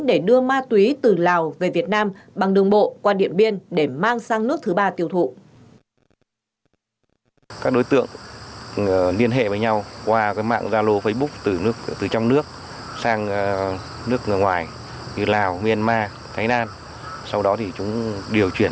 để đưa ma túy từ lào về việt nam bằng đường bộ qua điện biên để mang sang nước thứ ba tiêu thụ